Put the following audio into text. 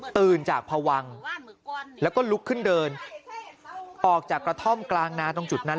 ตื่นจากพวังแล้วก็ลุกขึ้นเดินออกจากกระท่อมกลางนาตรงจุดนั้น